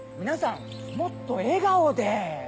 皆さんもっと笑顔で！